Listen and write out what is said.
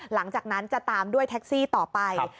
หลังจากนั้นจะตามด้วยแท็กซี่ต่อไป